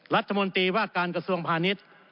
รัฐมนตรีว่าการกระทรวงพาณิชย์